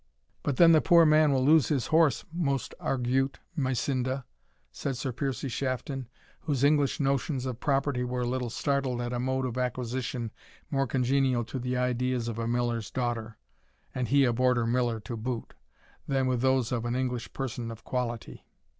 "But then the poor man will lose his horse, most argute Mysinda," said Sir Piercie Shafton, whose English notions of property were a little startled at a mode of acquisition more congenial to the ideas of a miller's daughter (and he a Border miller to boot) than with those of an English person of quality.